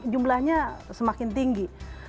jumlahnya semakin tinggi